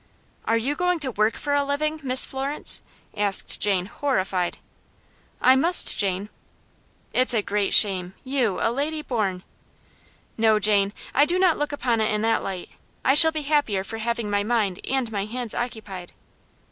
"Are you going to work for a living, Miss Florence?" asked Jane, horrified. "I must, Jane." "It's a great shame you, a lady born." "No, Jane, I do not look upon it in that light. I shall be happier for having my mind and my hands occupied."